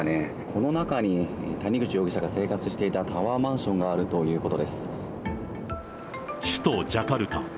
この中に谷口容疑者が生活していたタワーマンションがあるという首都ジャカルタ。